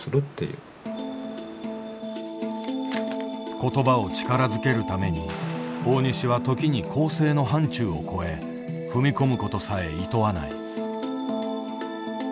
言葉を力づけるために大西は時に校正の範ちゅうをこえ踏み込むことさえいとわない。